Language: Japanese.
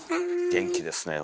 元気ですねえ